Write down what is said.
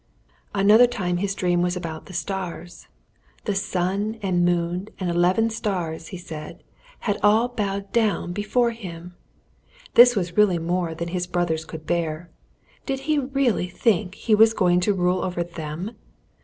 Another time his dream was about the stars; the sun and moon and eleven stars, he said, had all bowed down before him. This was really more than his brothers could bear. Did he really think he was going to rule over them?